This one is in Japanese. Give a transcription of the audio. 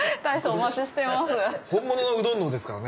大将お待ちしてます。